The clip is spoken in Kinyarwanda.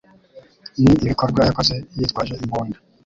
Ni ibikorwa yakoze yitwaje imbunda